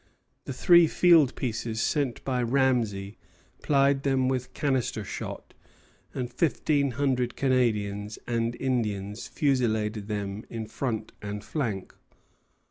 The three field pieces sent by Ramesay plied them with canister shot, and fifteen hundred Canadians and Indians fusilladed them in front and flank.